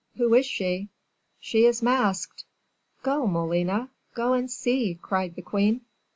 "Who is she?" "She is masked." "Go, Molina; go and see!" cried the queen.